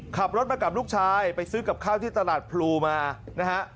ขับรถมากับลูกชายไปซื้อกับข้าวที่ตลาดพลูมานะฮะ